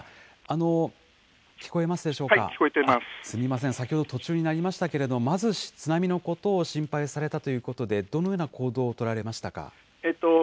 すみません、先ほど途中になりましたけれども、まず津波のことを心配されたということで、どのような行動を取られましたか？